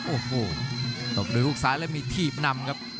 โอ้โหตบโดยหุ้กซ้ายและมีทีบนำครับ